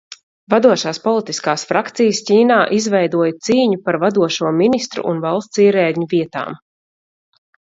Vadošās politiskās frakcijas Ķīnā izveidoja cīņu par vadošo ministru un valsts ierēdņu vietām.